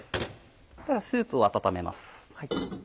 スープを温めます。